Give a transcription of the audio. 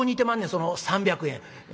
その３００円」。